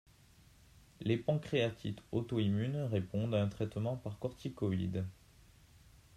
Les pancréatites auto-immunes répondent à un traitement par corticoïdes.